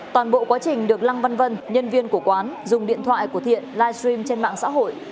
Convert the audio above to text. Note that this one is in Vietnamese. toàn bộ quá trình được lăng văn vân nhân viên của quán dùng điện thoại của thiện livestream trên mạng xã hội